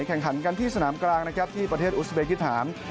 แข่งขันกันที่สนามกลางนะครับที่ประเทศอุสเบกิหาม